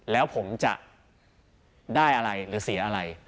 แล้วผมจะได้อะไรหรือเสียอะไร